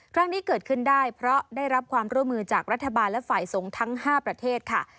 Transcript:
ครั้งนี้เกิดขึ้นได้เพราะได้รับความร่วมมือจากรัฐบาลและฝ่ายสงฆ์ทั้ง๕ประเทศค่ะ